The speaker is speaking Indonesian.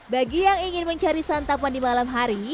bagi yang ingin mencari santapan di malam hari